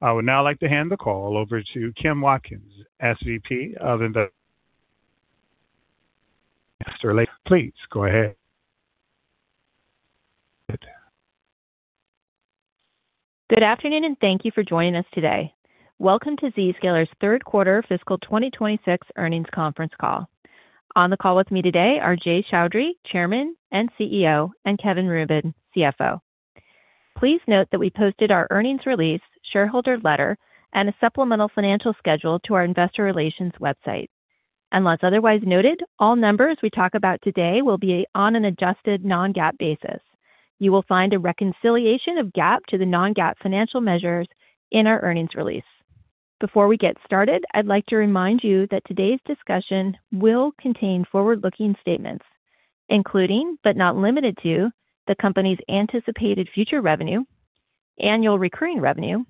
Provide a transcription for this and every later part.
I would now like to hand the call over to Kim Watkins, SVP of Investor Relations. Please go ahead. Good afternoon, and thank you for joining us today. Welcome to Zscaler's third quarter fiscal 2026 earnings conference call. On the call with me today are Jay Chaudhry, Chairman and CEO, and Kevin Rubin, CFO. Please note that we posted our earnings release, shareholder letter, and a supplemental financial schedule to our investor relations website. Unless otherwise noted, all numbers we talk about today will be on an adjusted non-GAAP basis. You will find a reconciliation of GAAP to the non-GAAP financial measures in our earnings release. Before we get started, I'd like to remind you that today's discussion will contain forward-looking statements, including, but not limited to, the company's anticipated future revenue, annual recurring revenue,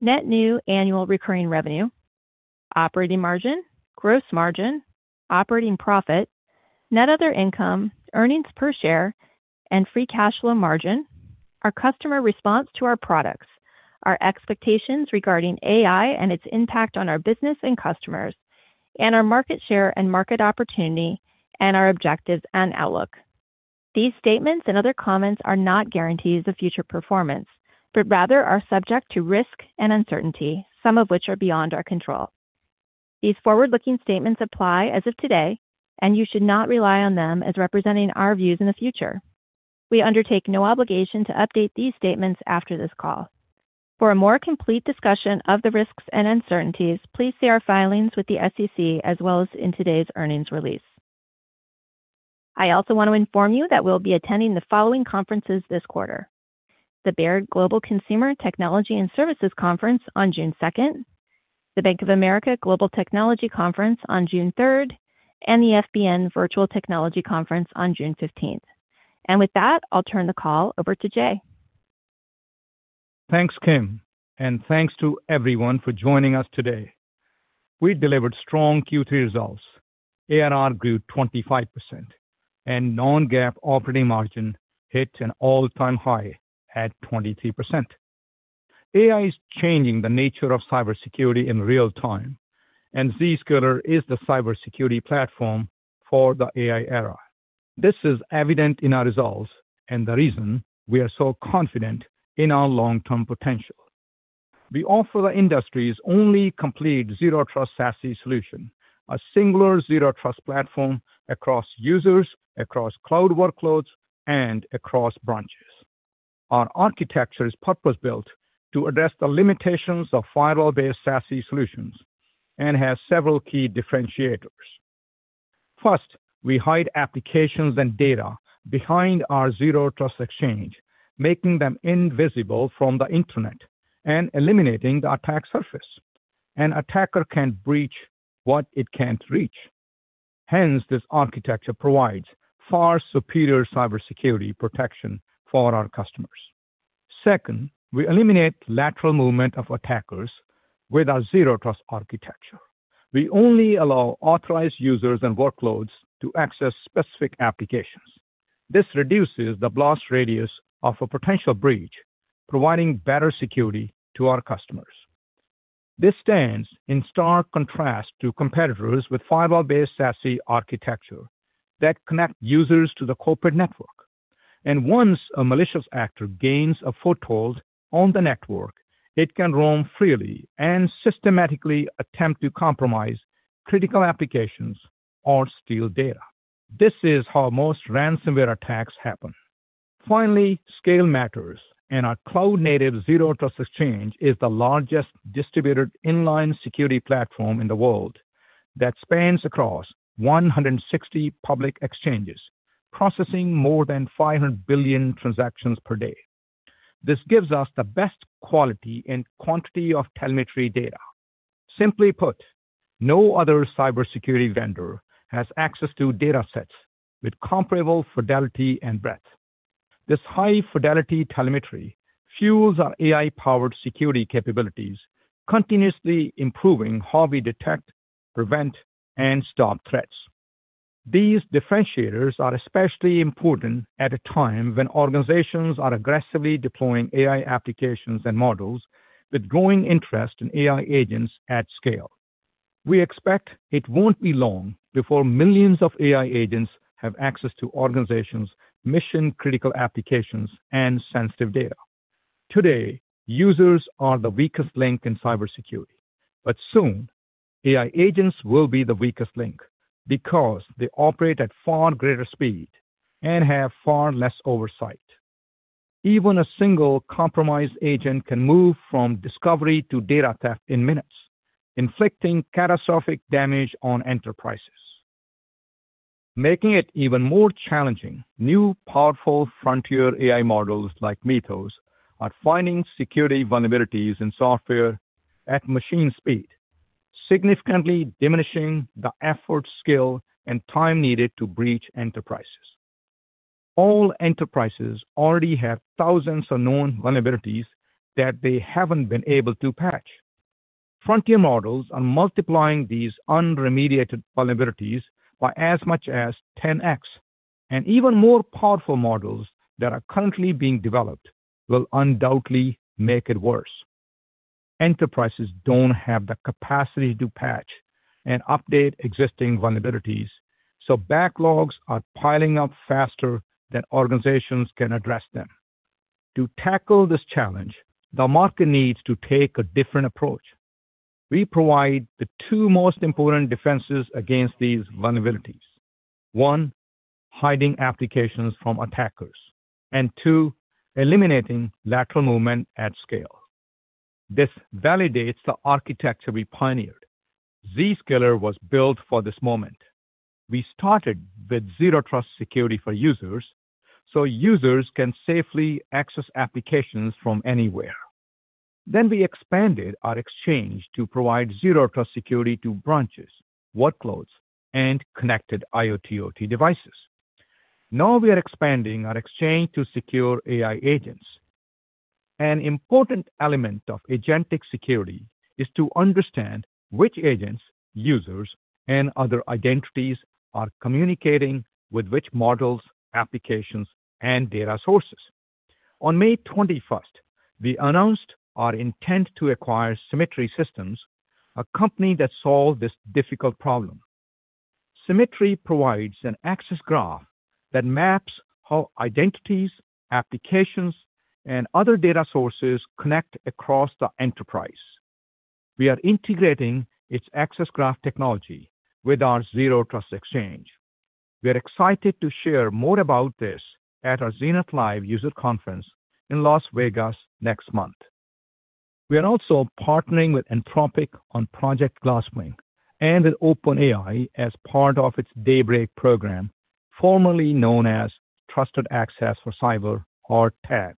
net new annual recurring revenue, operating margin, gross margin, operating profit, net other income, earnings per share, and free cash flow margin, our customer response to our products, our expectations regarding AI and its impact on our business and customers, and our market share and market opportunity, and our objectives and outlook. These statements and other comments are not guarantees of future performance, but rather are subject to risk and uncertainty, some of which are beyond our control. These forward-looking statements apply as of today, and you should not rely on them as representing our views in the future. We undertake no obligation to update these statements after this call. For a more complete discussion of the risks and uncertainties, please see our filings with the SEC as well as in today's earnings release. I also want to inform you that we'll be attending the following conferences this quarter: the Baird Global Consumer Technology and Services Conference on June 2nd, the Bank of America Global Technology Conference on June 3rd, and the FBN Virtual Technology Conference on June 15th. With that, I'll turn the call over to Jay. Thanks, Kim, and thanks to everyone for joining us today. We delivered strong Q3 results. ARR grew 25%, and non-GAAP operating margin hit an all-time high at 23%. AI is changing the nature of cybersecurity in real time. Zscaler is the cybersecurity platform for the AI era. This is evident in our results and the reason we are so confident in our long-term potential. We offer the industry's only complete Zero Trust SASE solution, a singular Zero Trust platform across users, across cloud workloads, and across branches. Our architecture is purpose-built to address the limitations of firewall-based SASE solutions and has several key differentiators. First, we hide applications and data behind our Zero Trust Exchange, making them invisible from the internet and eliminating the attack surface. An attacker can't breach what it can't reach. Hence, this architecture provides far superior cybersecurity protection for our customers. Second, we eliminate lateral movement of attackers with our Zero Trust architecture. We only allow authorized users and workloads to access specific applications. This reduces the blast radius of a potential breach, providing better security to our customers. This stands in stark contrast to competitors with firewall-based SASE architecture that connect users to the corporate network. Once a malicious actor gains a foothold on the network, it can roam freely and systematically attempt to compromise critical applications or steal data. This is how most ransomware attacks happen. Finally, scale matters, and our cloud-native Zero Trust Exchange is the largest distributed inline security platform in the world that spans across 160 public exchanges, processing more than 500 billion transactions per day. This gives us the best quality and quantity of telemetry data. Simply put, no other cybersecurity vendor has access to data sets with comparable fidelity and breadth. This high-fidelity telemetry fuels our AI-powered security capabilities, continuously improving how we detect, prevent, and stop threats. These differentiators are especially important at a time when organizations are aggressively deploying AI applications and models with growing interest in AI agents at scale. We expect it won't be long before millions of AI agents have access to organizations' mission-critical applications and sensitive data. Today, users are the weakest link in cybersecurity. Soon, AI agents will be the weakest link because they operate at far greater speed and have far less oversight. Even a single compromised agent can move from discovery to data theft in minutes, inflicting catastrophic damage on enterprises. Making it even more challenging, new powerful frontier AI models like Mythos are finding security vulnerabilities in software at machine speed, significantly diminishing the effort, skill, and time needed to breach enterprises. All enterprises already have thousands of known vulnerabilities that they haven't been able to patch. Frontier models are multiplying these unremediated vulnerabilities by as much as 10x, and even more powerful models that are currently being developed will undoubtedly make it worse. Enterprises don't have the capacity to patch and update existing vulnerabilities, so backlogs are piling up faster than organizations can address them. To tackle this challenge, the market needs to take a different approach. We provide the two most important defenses against these vulnerabilities. One, hiding applications from attackers, and two, eliminating lateral movement at scale. This validates the architecture we pioneered. Zscaler was built for this moment. We started with Zero Trust security for users, so users can safely access applications from anywhere. We expanded our Exchange to provide Zero Trust security to branches, workloads, and connected IoT/OT devices. Now we are expanding our exchange to secure AI agents. An important element of agentic security is to understand which agents, users, and other identities are communicating with which models, applications, and data sources. On May 21st, we announced our intent to acquire Symmetry Systems, a company that solved this difficult problem. Symmetry provides an access graph that maps how identities, applications, and other data sources connect across the enterprise. We are integrating its access graph technology with our Zero Trust Exchange. We're excited to share more about this at our Zenith Live user conference in Las Vegas next month. We are also partnering with Anthropic on Project Glasswing and with OpenAI as part of its Daybreak program, formerly known as Trusted Access for Cyber, or TAC,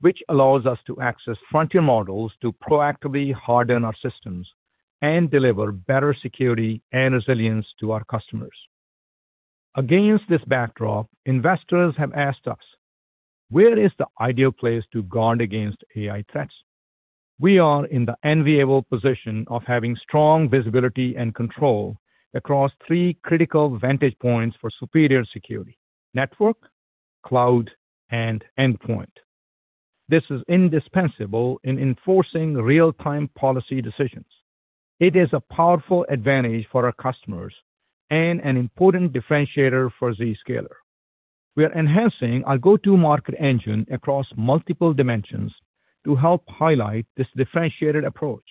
which allows us to access frontier models to proactively harden our systems and deliver better security and resilience to our customers. Against this backdrop, investors have asked us, where is the ideal place to guard against AI threats? We are in the enviable position of having strong visibility and control across three critical vantage points for superior security: network, cloud, and endpoint. This is indispensable in enforcing real-time policy decisions. It is a powerful advantage for our customers and an important differentiator for Zscaler. We are enhancing our go-to-market engine across multiple dimensions to help highlight this differentiated approach.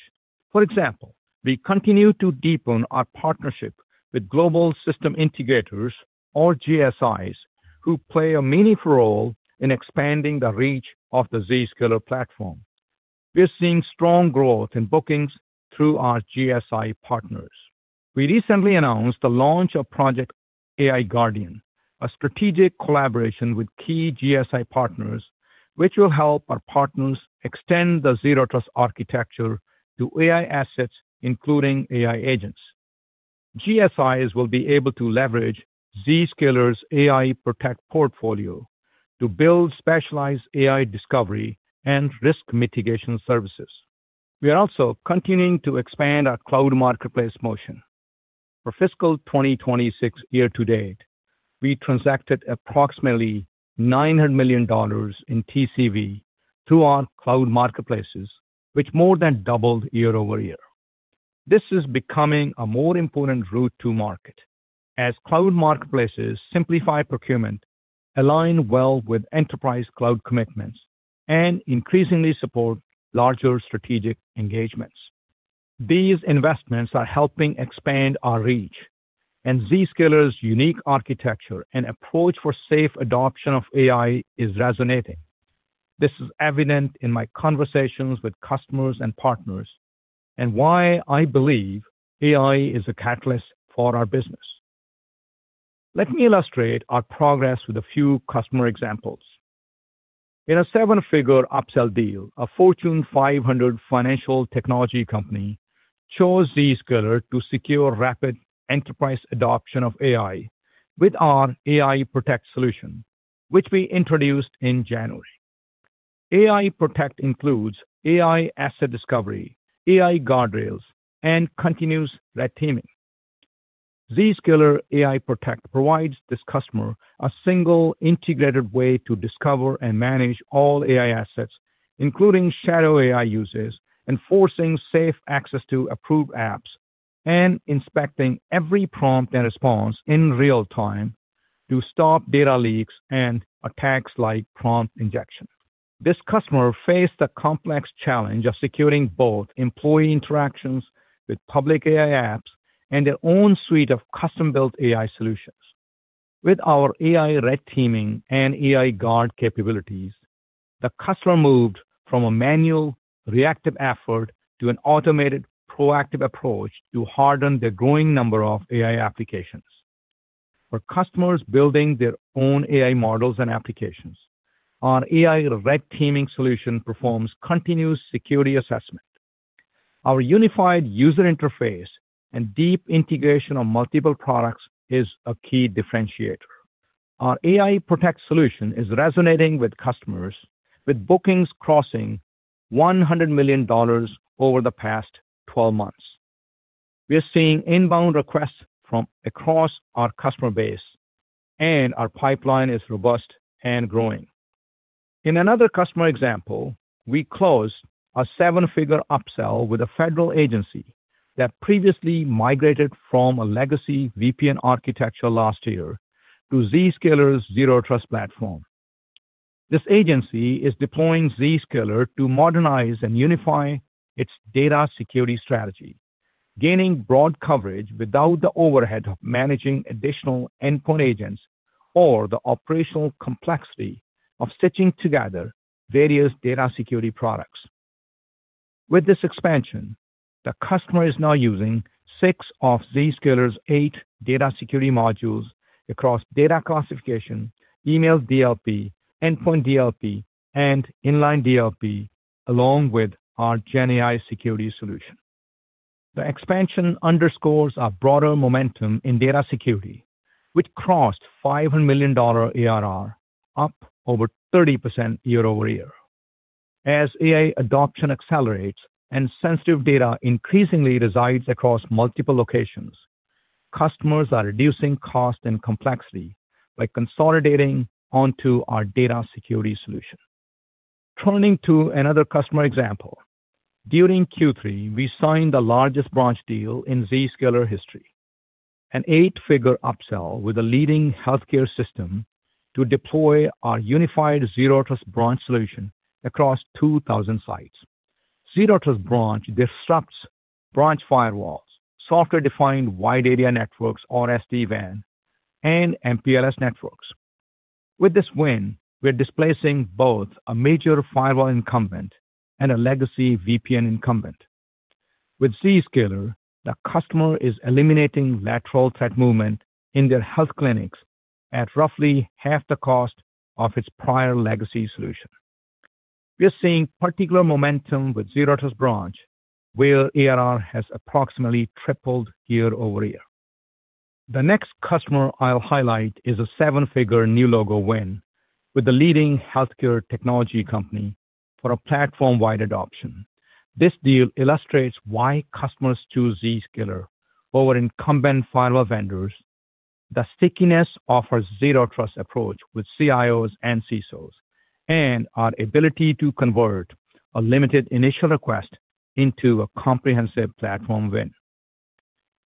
For example, we continue to deepen our partnership with global system integrators, or GSIs, who play a meaningful role in expanding the reach of the Zscaler platform. We are seeing strong growth in bookings through our GSI partners. We recently announced the launch of Project AI-Guardian, a strategic collaboration with key GSI partners, which will help our partners extend the zero trust architecture to AI assets, including AI agents. GSIs will be able to leverage Zscaler's AI Protect portfolio to build specialized AI discovery and risk mitigation services. We are also continuing to expand our cloud marketplace motion. For fiscal 2026 year to date, we transacted approximately $900 million in TCV through our cloud marketplaces, which more than doubled year-over-year. This is becoming a more important route to market as cloud marketplaces simplify procurement, align well with enterprise cloud commitments, and increasingly support larger strategic engagements. These investments are helping expand our reach, and Zscaler's unique architecture and approach for safe adoption of AI is resonating. This is evident in my conversations with customers and partners and why I believe AI is a catalyst for our business. Let me illustrate our progress with a few customer examples. In a seven-figure upsell deal, a Fortune 500 financial technology company chose Zscaler to secure rapid enterprise adoption of AI with our AI Protect solution, which we introduced in January. AI Protect includes AI asset discovery, AI guardrails, and continuous red teaming. Zscaler AI Protect provides this customer a single integrated way to discover and manage all AI assets, including shadow AI uses, enforcing safe access to approved apps, and inspecting every prompt and response in real time to stop data leaks and attacks like prompt injection. This customer faced a complex challenge of securing both employee interactions with public AI apps and their own suite of custom-built AI solutions. With our AI Red Teaming and AI Guard capabilities, the customer moved from a manual reactive effort to an automated proactive approach to harden their growing number of AI applications. For customers building their own AI models and applications, our AI Red Teaming solution performs continuous security assessment. Our unified user interface and deep integration of multiple products is a key differentiator. Our AI Protect solution is resonating with customers, with bookings crossing $100 million over the past 12 months. We are seeing inbound requests from across our customer base, and our pipeline is robust and growing. In another customer example, we closed a seven-figure upsell with a federal agency that previously migrated from a legacy VPN architecture last year to Zscaler's Zero Trust platform. This agency is deploying Zscaler to modernize and unify its data security strategy, gaining broad coverage without the overhead of managing additional endpoint agents or the operational complexity of stitching together various data security products. With this expansion, the customer is now using six of Zscaler's eight data security modules across data classification, email DLP, endpoint DLP, and inline DLP, along with our GenAI Security solution. The expansion underscores our broader momentum in data security, which crossed $500 million ARR, up over 30% year-over-year. As AI adoption accelerates and sensitive data increasingly resides across multiple locations, customers are reducing cost and complexity by consolidating onto our data security solution. Turning to another customer example, during Q3, we signed the largest branch deal in Zscaler history, an eight-figure upsell with a leading healthcare system to deploy our unified Zero Trust Branch solution across 2,000 sites. Zero Trust Branch disrupts branch firewalls, software-defined wide area networks, or SD-WAN, and MPLS networks. With this win, we're displacing both a major firewall incumbent and a legacy VPN incumbent. With Zscaler, the customer is eliminating lateral threat movement in their health clinics at roughly half the cost of its prior legacy solution. We are seeing particular momentum with Zero Trust Branch, where ARR has approximately tripled year-over-year. The next customer I'll highlight is a seven-figure new logo win with a leading healthcare technology company for a platform-wide adoption. This deal illustrates why customers choose Zscaler over incumbent firewall vendors. The stickiness offers Zero Trust approach with CIOs and CISOs, and our ability to convert a limited initial request into a comprehensive platform win.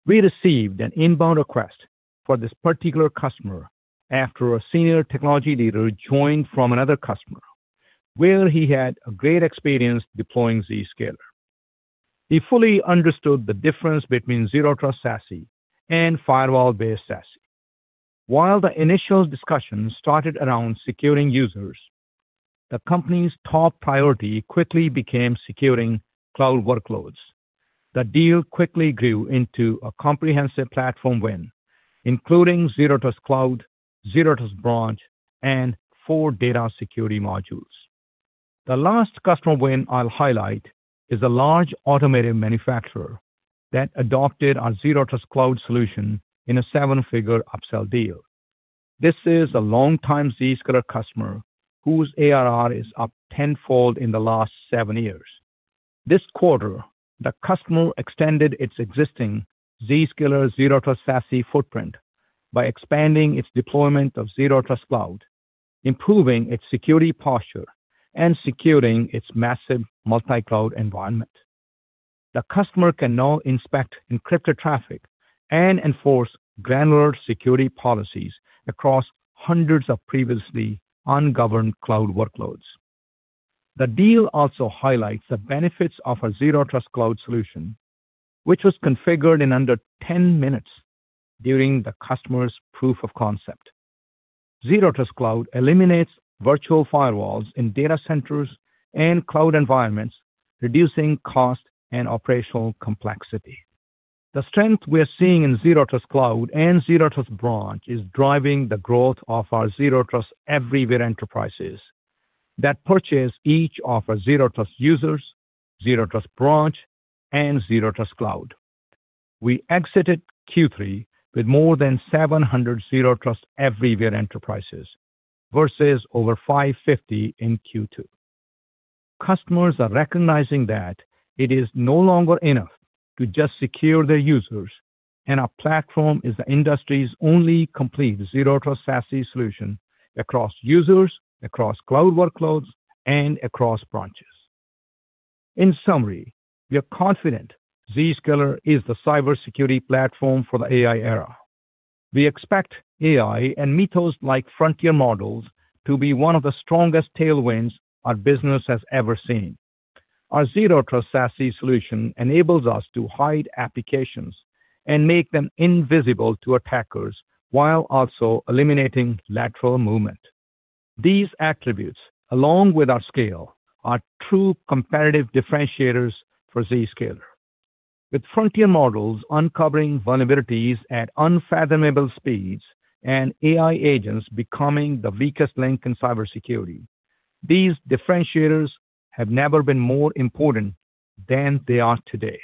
We received an inbound request for this particular customer after a senior technology leader joined from another customer where he had a great experience deploying Zscaler. He fully understood the difference between Zero Trust SASE and firewall-based SASE. While the initial discussions started around securing users, the company's top priority quickly became securing cloud workloads. The deal quickly grew into a comprehensive platform win, including Zero Trust Cloud, Zero Trust Branch, and four data security modules. The last customer win I'll highlight is a large automotive manufacturer that adopted our Zero Trust Cloud solution in a seven-figure upsell deal. This is a longtime Zscaler customer whose ARR is up tenfold in the last seven years. This quarter, the customer extended its existing Zscaler Zero Trust SASE footprint by expanding its deployment of Zero Trust Cloud, improving its security posture, and securing its massive multi-cloud environment. The customer can now inspect encrypted traffic and enforce granular security policies across hundreds of previously ungoverned cloud workloads. The deal also highlights the benefits of a Zero Trust Cloud solution, which was configured in under 10 minutes during the customer's proof of concept. Zero Trust Cloud eliminates virtual firewalls in data centers and cloud environments, reducing cost and operational complexity. The strength we are seeing in Zero Trust Cloud and Zero Trust Branch is driving the growth of our Zero Trust Everywhere enterprises that purchase each of our Zero Trust users, Zero Trust Branch, and Zero Trust Cloud. We exited Q3 with more than 700 Zero Trust Everywhere enterprises versus over 550 in Q2. Customers are recognizing that it is no longer enough to just secure their users, and our platform is the industry's only complete zero trust SASE solution across users, across cloud workloads, and across branches. In summary, we are confident Zscaler is the cybersecurity platform for the AI era. We expect AI and methods like frontier models to be one of the strongest tailwinds our business has ever seen. Our zero trust SASE solution enables us to hide applications and make them invisible to attackers while also eliminating lateral movement. These attributes, along with our scale, are true competitive differentiators for Zscaler. With frontier models uncovering vulnerabilities at unfathomable speeds and AI agents becoming the weakest link in cybersecurity, these differentiators have never been more important than they are today.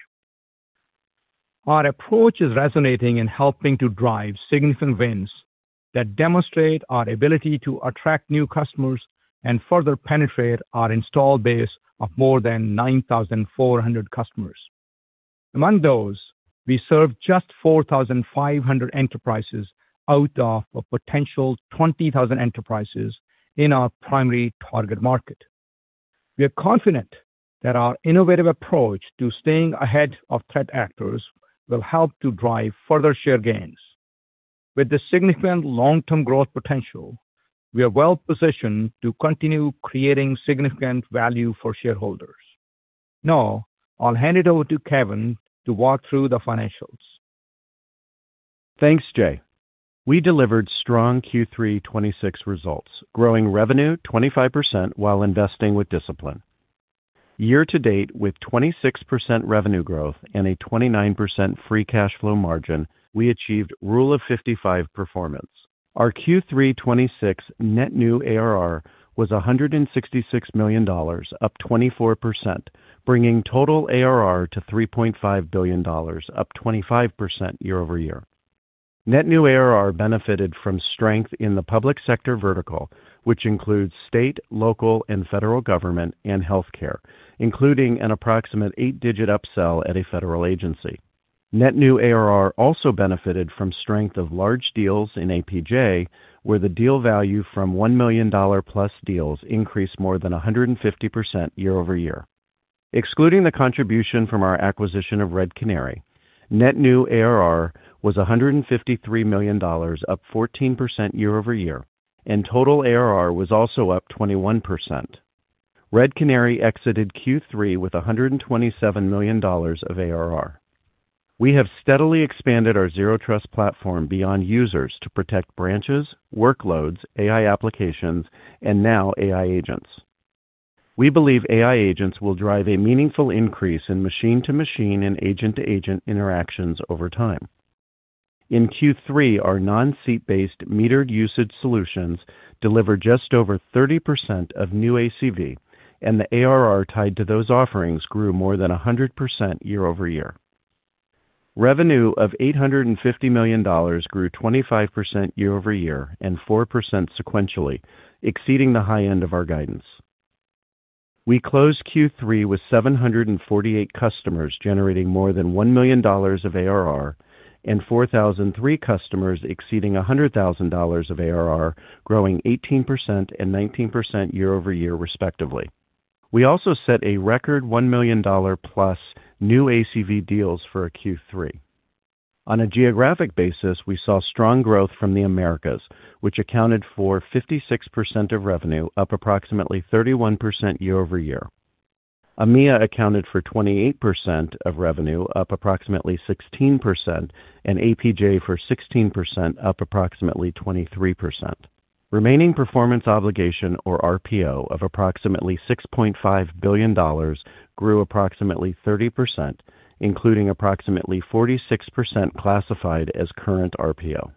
Our approach is resonating and helping to drive significant wins that demonstrate our ability to attract new customers and further penetrate our installed base of more than 9,400 customers. Among those, we serve just 4,500 enterprises out of a potential 20,000 enterprises in our primary target market. We are confident that our innovative approach to staying ahead of threat actors will help to drive further share gains. With the significant long-term growth potential, we are well-positioned to continue creating significant value for shareholders. Now, I'll hand it over to Kevin to walk through the financials. Thanks, Jay. We delivered strong Q3 2026 results, growing revenue 25% while investing with discipline. Year to date, with 26% revenue growth and a 29% free cash flow margin, we achieved Rule of 55 performance. Our Q3 2026 net new ARR was $166 million, up 24%, bringing total ARR to $3.5 billion, up 25% year-over-year. Net new ARR benefited from strength in the public sector vertical, which includes state, local, and federal government, and healthcare, including an approximate eight-digit upsell at a federal agency. Net new ARR also benefited from strength of large deals in APJ, where the deal value from $1 million+ deals increased more than 150% year-over-year. Excluding the contribution from our acquisition of Red Canary, net new ARR was $153 million, up 14% year-over-year, and total ARR was also up 21%. Red Canary exited Q3 with $127 million of ARR. We have steadily expanded our zero trust platform beyond users to protect branches, workloads, AI applications, and now AI agents. We believe AI agents will drive a meaningful increase in machine-to-machine and agent-to-agent interactions over time. In Q3, our non-seat-based metered usage solutions delivered just over 30% of new ACV, and the ARR tied to those offerings grew more than 100% year-over-year. Revenue of $850 million grew 25% year-over-year and 4% sequentially, exceeding the high end of our guidance. We closed Q3 with 748 customers generating more than $1 million of ARR and 4,003 customers exceeding $100,000 of ARR, growing 18% and 19% year-over-year respectively. We also set a record $1 million-plus new ACV deals for a Q3. On a geographic basis, we saw strong growth from the Americas, which accounted for 56% of revenue, up approximately 31% year-over-year. EMEA accounted for 28% of revenue, up approximately 16%, and APJ for 16%, up approximately 23%. Remaining performance obligation, or RPO, of approximately $6.5 billion grew approximately 30%, including approximately 46% classified as current RPO.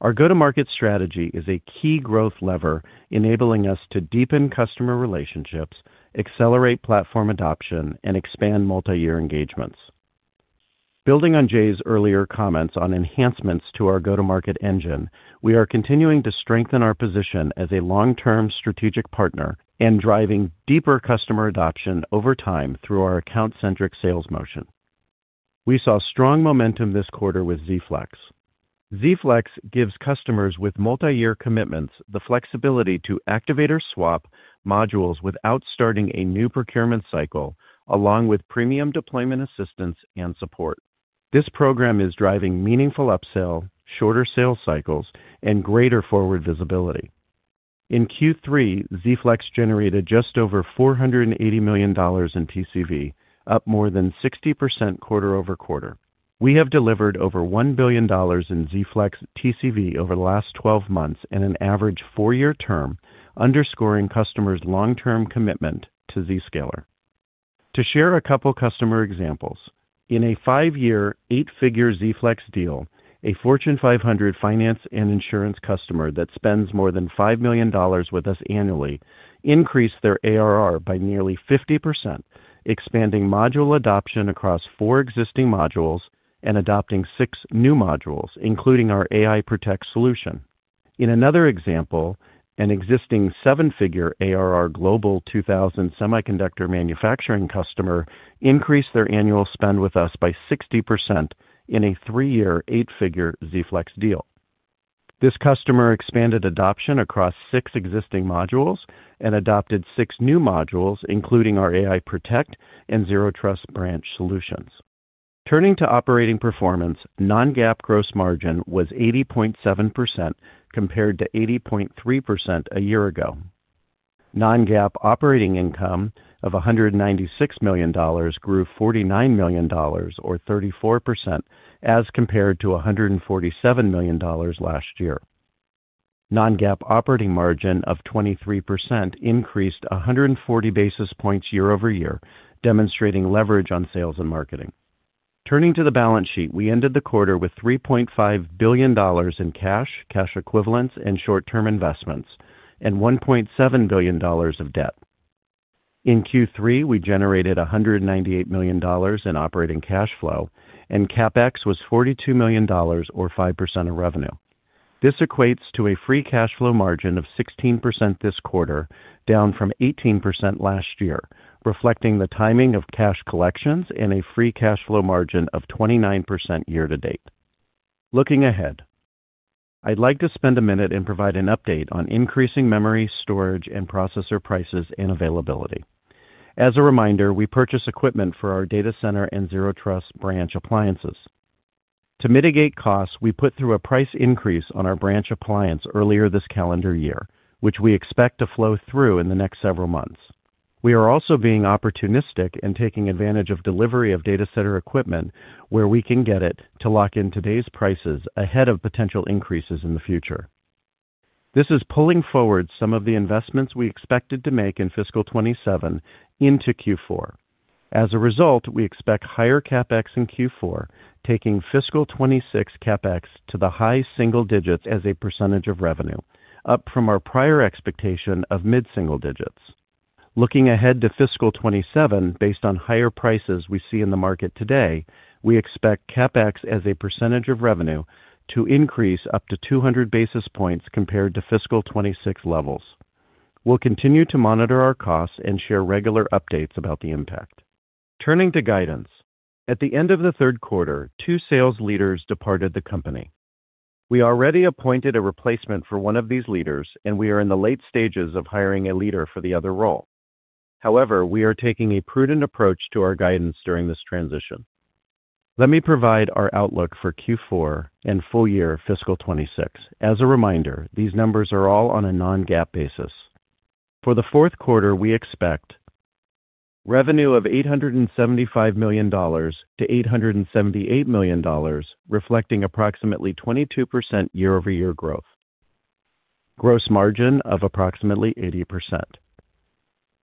Our go-to-market strategy is a key growth lever enabling us to deepen customer relationships, accelerate platform adoption, and expand multi-year engagements. Building on Jay's earlier comments on enhancements to our go-to-market engine, we are continuing to strengthen our position as a long-term strategic partner and driving deeper customer adoption over time through our account-centric sales motion. We saw strong momentum this quarter with Z-Flex. Z-Flex gives customers with multi-year commitments the flexibility to activate or swap modules without starting a new procurement cycle, along with premium deployment assistance and support. This program is driving meaningful upsell, shorter sales cycles, and greater forward visibility. In Q3, Z-Flex generated just over $480 million in TCV, up more than 60% quarter-over-quarter. We have delivered over $1 billion in Z-Flex TCV over the last 12 months and an average four-year term, underscoring customers' long-term commitment to Zscaler. To share a couple customer examples, in a five-year, eight-figure Z-Flex deal, a Fortune 500 finance and insurance customer that spends more than $5 million with us annually increased their ARR by nearly 50%, expanding module adoption across four existing modules and adopting six new modules, including our AI Protect solution. In another example, an existing seven-figure ARR Global 2000 semiconductor manufacturing customer increased their annual spend with us by 60% in a three-year, eight-figure Z-Flex deal. This customer expanded adoption across six existing modules and adopted six new modules, including our AI Protect and Zero Trust Branch solutions. Turning to operating performance, non-GAAP gross margin was 80.7%, compared to 80.3% a year ago. Non-GAAP operating income of $196 million grew $49 million, or 34%, as compared to $147 million last year. Non-GAAP operating margin of 23% increased 140 basis points year-over-year, demonstrating leverage on sales and marketing. Turning to the balance sheet, we ended the quarter with $3.5 billion in cash equivalents, and short-term investments, and $1.7 billion of debt. In Q3, we generated $198 million in operating cash flow, and CapEx was $42 million or 5% of revenue. This equates to a free cash flow margin of 16% this quarter, down from 18% last year, reflecting the timing of cash collections and a free cash flow margin of 29% year to date. Looking ahead, I'd like to spend a minute and provide an update on increasing memory, storage, and processor prices and availability. As a reminder, we purchase equipment for our data center and Zero Trust Branch appliances. To mitigate costs, we put through a price increase on our branch appliance earlier this calendar year, which we expect to flow through in the next several months. We are also being opportunistic and taking advantage of delivery of data center equipment where we can get it to lock in today's prices ahead of potential increases in the future. This is pulling forward some of the investments we expected to make in fiscal 2027 into Q4. As a result, we expect higher CapEx in Q4, taking fiscal 2026 CapEx to the high single digits as a percentage of revenue, up from our prior expectation of mid-single digits. Looking ahead to fiscal 2027, based on higher prices we see in the market today, we expect CapEx as a percentage of revenue to increase up to 200 basis points compared to fiscal 2026 levels. We'll continue to monitor our costs and share regular updates about the impact. Turning to guidance. At the end of the third quarter, two sales leaders departed the company. We already appointed a replacement for one of these leaders, and we are in the late stages of hiring a leader for the other role. However, we are taking a prudent approach to our guidance during this transition. Let me provide our outlook for Q4 and full year fiscal 2026. As a reminder, these numbers are all on a non-GAAP basis. For the fourth quarter, we expect revenue of $875 million-$878 million, reflecting approximately 22% year-over-year growth. Gross margin of approximately 80%.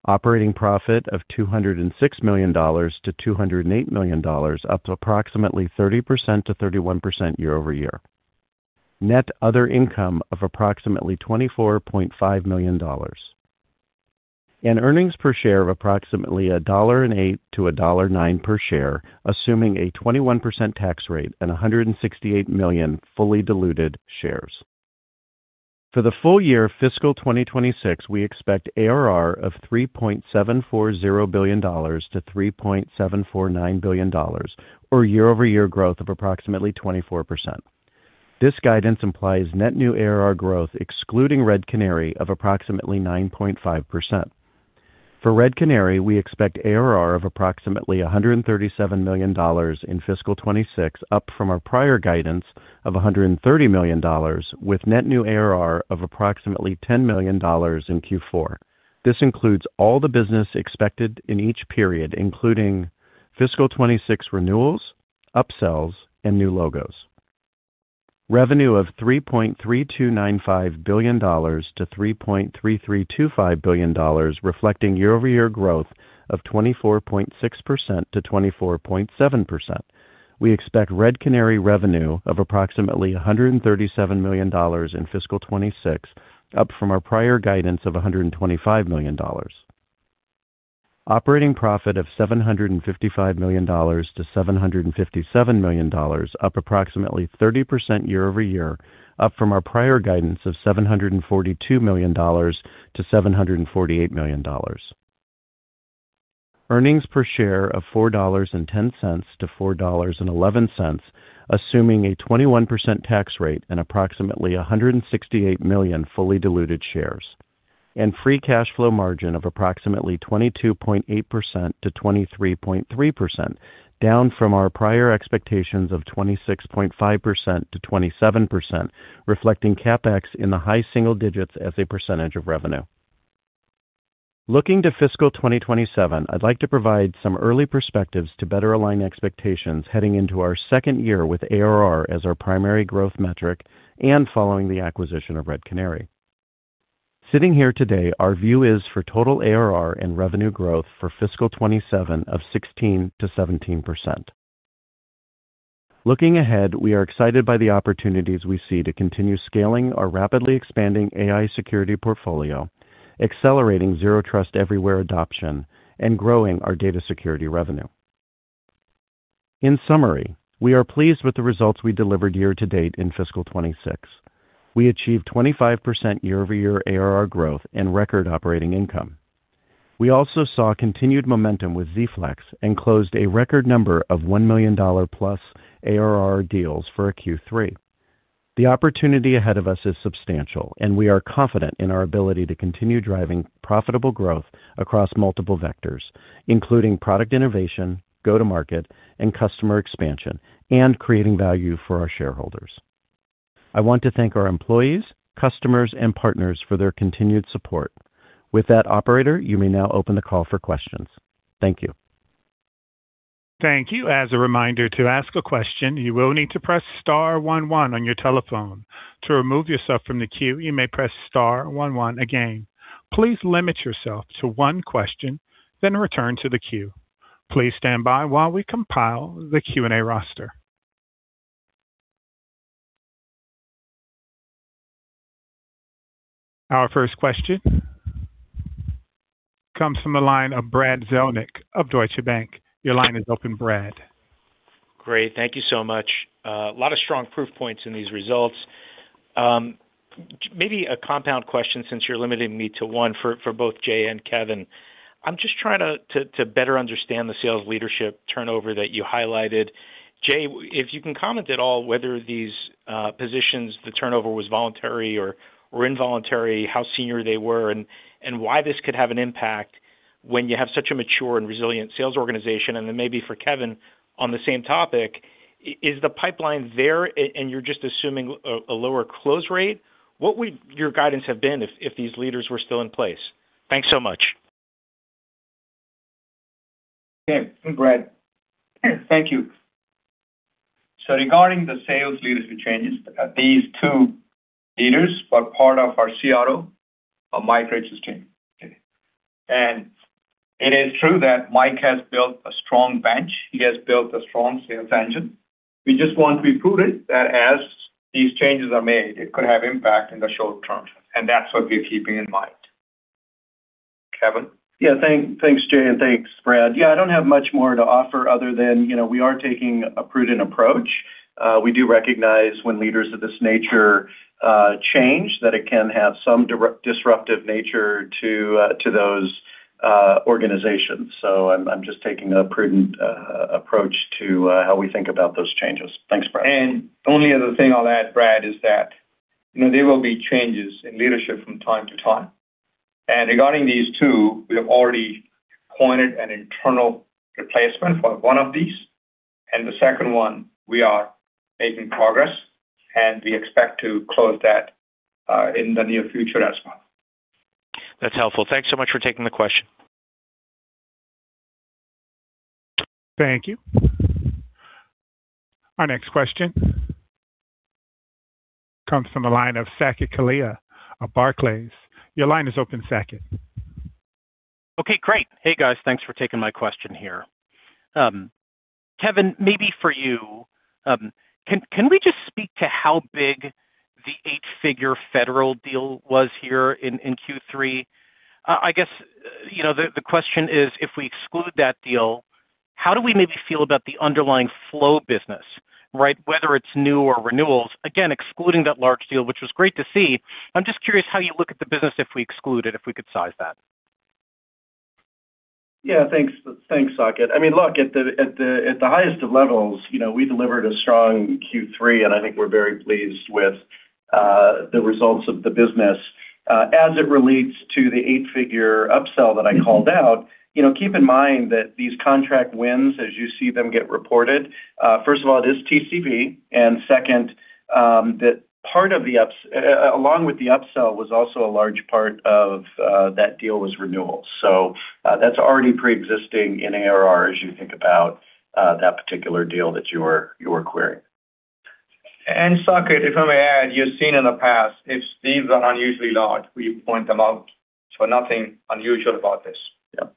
Operating profit of $206 million-$208 million, up to approximately 30%-31% year-over-year. Net other income of approximately $24.5 million. Earnings per share of approximately $1.08-$1.09 per share, assuming a 21% tax rate and 168 million fully diluted shares. For the full year fiscal 2026, we expect ARR of $3.740 billion-$3.749 billion, or year-over-year growth of approximately 24%. This guidance implies net new ARR growth excluding Red Canary of approximately 9.5%. For Red Canary, we expect ARR of approximately $137 million in fiscal 2026, up from our prior guidance of $130 million, with net new ARR of approximately $10 million in Q4. This includes all the business expected in each period, including fiscal 2026 renewals, upsells, and new logos. Revenue of $3.3295 billion-$3.3325 billion, reflecting year-over-year growth of 24.6%-24.7%. We expect Red Canary revenue of approximately $137 million in fiscal 2026, up from our prior guidance of $125 million. Operating profit of $755 million-$757 million, up approximately 30% year-over-year, up from our prior guidance of $742 million-$748 million. Earnings per share of $4.10-$4.11, assuming a 21% tax rate and approximately 168 million fully diluted shares. Free cash flow margin of approximately 22.8%-23.3%, down from our prior expectations of 26.5%-27%, reflecting CapEx in the high single digits as a percentage of revenue. Looking to fiscal 2027, I'd like to provide some early perspectives to better align expectations heading into our second year with ARR as our primary growth metric and following the acquisition of Red Canary. Sitting here today, our view is for total ARR and revenue growth for fiscal 2027 of 16%-17%. Looking ahead, we are excited by the opportunities we see to continue scaling our rapidly expanding AI security portfolio, accelerating Zero Trust Everywhere adoption, and growing our data security revenue. In summary, we are pleased with the results we delivered year to date in fiscal 2026. We achieved 25% year-over-year ARR growth and record operating income. We also saw continued momentum with Z-Flex and closed a record number of $1 million+ ARR deals for a Q3. The opportunity ahead of us is substantial, we are confident in our ability to continue driving profitable growth across multiple vectors, including product innovation, go-to-market, and customer expansion, and creating value for our shareholders. I want to thank our employees, customers, and partners for their continued support. With that, operator, you may now open the call for questions. Thank you. Thank you. As a reminder, to ask a question, you will need to press star one one on your telephone. To remove yourself from the queue, you may press star one one again. Please limit yourself to one question, then return to the queue. Please stand by while we compile the Q&A roster. Our first question comes from the line of Brad Zelnick of Deutsche Bank. Your line is open, Brad. Great. Thank you so much. A lot of strong proof points in these results. Maybe a compound question since you're limiting me to one for both Jay and Kevin. I'm just trying to better understand the sales leadership turnover that you highlighted. Jay, if you can comment at all whether these positions, the turnover was voluntary or involuntary, how senior they were, and why this could have an impact when you have such a mature and resilient sales organization. Maybe for Kevin, on the same topic, is the pipeline there and you're just assuming a lower close rate? What would your guidance have been if these leaders were still in place? Thanks so much. Okay. Hi, Brad. Thank you. Regarding the sales leadership changes, these two leaders were part of our CRO, Mike Rich's team. It is true that Mike has built a strong bench. He has built a strong sales engine. We just want to be prudent that as these changes are made, it could have impact in the short term, and that's what we're keeping in mind. Kevin? Yeah. Thanks, Jay, and thanks, Brad. I don't have much more to offer other than we are taking a prudent approach. We do recognize when leaders of this nature change, that it can have some disruptive nature to those organizations. I'm just taking a prudent approach to how we think about those changes. Thanks, Brad. The only other thing I'll add, Brad, is that there will be changes in leadership from time to time. Regarding these two, we have already appointed an internal replacement for one of these. The second one, we are making progress, and we expect to close that in the near future as well. That's helpful. Thanks so much for taking the question. Thank you. Our next question comes from the line of Saket Kalia of Barclays. Your line is open, Saket. Okay, great. Hey, guys, thanks for taking my question here. Kevin, maybe for you, can we just speak to how big the eight-figure federal deal was here in Q3? I guess, the question is, if we exclude that deal, how do we maybe feel about the underlying flow business, right? Whether it's new or renewals, again, excluding that large deal, which was great to see. I'm just curious how you look at the business if we exclude it, if we could size that. Yeah, thanks, Saket. Look, at the highest of levels, we delivered a strong Q3. I think we're very pleased with the results of the business. As it relates to the eight-figure upsell that I called out, keep in mind that these contract wins, as you see them get reported, first of all, it is TCV. Second, that along with the upsell was also a large part of that deal was renewals. That's already preexisting in ARR as you think about that particular deal that you're querying. Saket, if I may add, you've seen in the past, if deals are unusually large, we point them out. Nothing unusual about this. Yeah.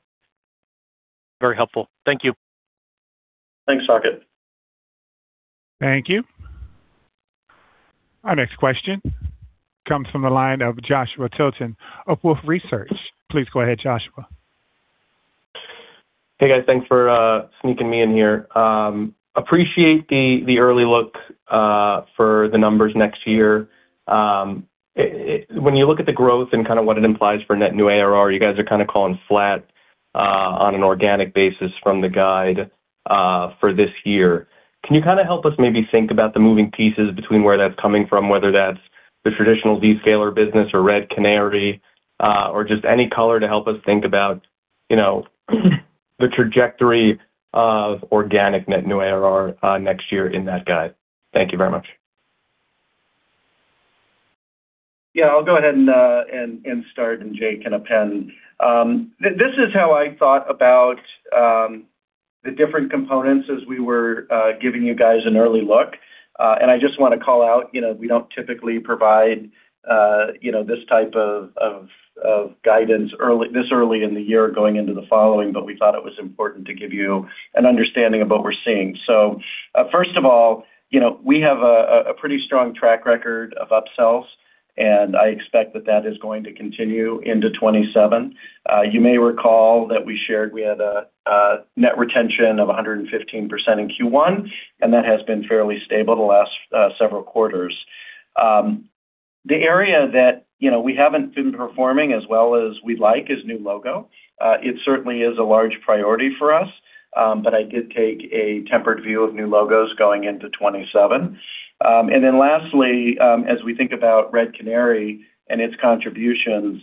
Very helpful. Thank you. Thanks, Saket. Thank you. Our next question comes from the line of Joshua Tilton of Wolfe Research. Please go ahead, Joshua. Hey, guys. Thanks for sneaking me in here. Appreciate the early look for the numbers next year. When you look at the growth and what it implies for net new ARR, you guys are calling flat on an organic basis from the guide for this year. Can you help us maybe think about the moving pieces between where that's coming from, whether that's the traditional Zscaler business or Red Canary, or just any color to help us think about the trajectory of organic net new ARR next year in that guide? Thank you very much. Yeah, I'll go ahead and start, and Jay can append. This is how I thought about the different components when we were giving you guys an early look. I just want to call out, we don't typically provide this type of guidance this early in the year going into the following, but we thought it was important to give you an understanding of what we're seeing. First of all, we have a pretty strong track record of upsells, and I expect that that is going to continue into 2027. You may recall that we shared we had a net retention of 115% in Q1, and that has been fairly stable the last several quarters. The area that we haven't been performing as well as we'd like is new logo. It certainly is a large priority for us, but I did take a tempered view of new logos going into 2027. Lastly, as we think about Red Canary and its contributions,